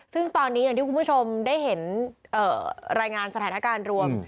ซึ่งตอนนี้อย่างที่คุณผู้ชมได้เห็นรายงานสถานการณ์รวม